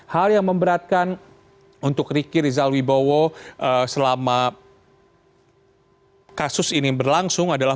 hal yang memberatkan untuk riki rizal wibowo selama kasus ini berlangsung adalah